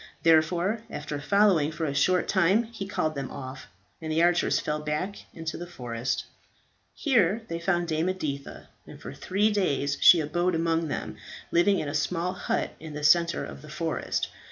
Therefore after following for a short time he called them off, and the archers fell back into the forest. Here they found Dame Editha, and for three days she abode among them, living in a small hut in the centre of the forest.